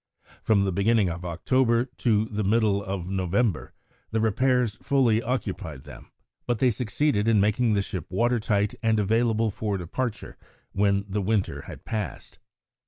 From the beginning of October to the middle of November, the repairs fully occupied them; but they succeeded in making the ship water tight and available for departure when the winter had passed.